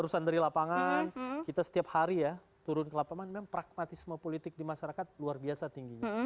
urusan dari lapangan kita setiap hari ya turun ke lapangan memang pragmatisme politik di masyarakat luar biasa tingginya